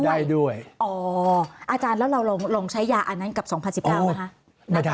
ได้ด้วยอ๋ออาจารย์แล้วเราลองใช้ยาอันนั้นกับ๒๐๑๙ไหมคะ